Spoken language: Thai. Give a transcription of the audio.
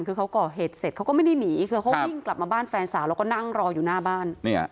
คือเขาก่อเหตุเสร็จเขาก็ไม่ได้หนีคือเขาวิ่งกลับมาบ้านแฟนสาวแล้วก็นั่งรออยู่หน้าบ้าน